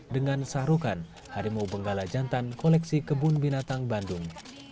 dengan sahrukan harimau benggala jantan koleksi kebun binatang bandung